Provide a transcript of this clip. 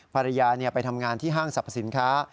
ภรรยาไปทำงานที่ห้างสรรพสินค้า